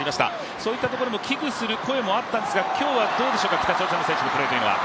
そういったところも危惧する声もあったんですが、今日はどうでしょうか、北朝鮮の選手のプレーというのは。